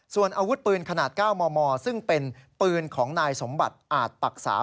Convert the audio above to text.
ส่วนอาวุธปืนขนาด๙มมซึ่งเป็นปืนของนายสมบัติอาจปรักษา